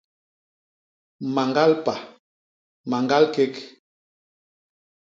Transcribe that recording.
Mañgal pa, mañgal kék.